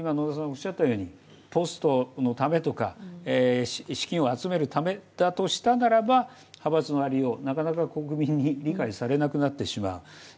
ポストのためとか資金を集めるためだとしたならば派閥のありよう、なかなか国民に理解されなくなってしまう。